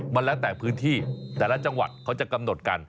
มันแล้วแต่พื้นที่แต่ละจังหวัดเขาจะกำหนดกัน